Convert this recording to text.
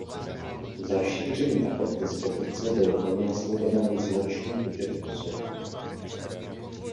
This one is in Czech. Za šíření a podpis petice byl pronásledován značný počet osob.